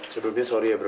sebelumnya maaf ya bro